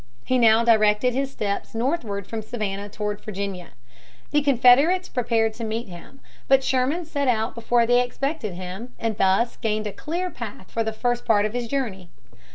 He now directed his steps northward from Savannah toward Virginia. The Confederates prepared to meet him. But Sherman set out before they expected him, and thus gained a clear path for the first part of his journey.